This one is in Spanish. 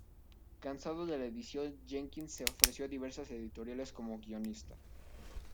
Cansado de la edición, Jenkins se ofreció a diversas editoriales como guionista.